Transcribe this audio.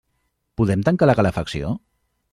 Podem tancar la calefacció?